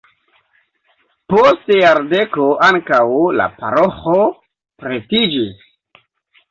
Post jardeko ankaŭ la paroĥo pretiĝis.